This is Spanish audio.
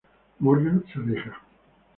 Morgan se aleja.